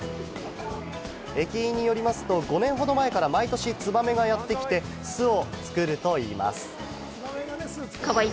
駅員によりますと、５年ほど前から毎年ツバメがやってきて巣を作るといいます。